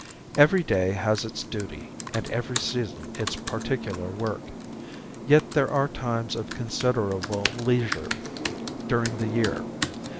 Every day has its duty and every season its particular work, yet there are times of considerable leisure during the year.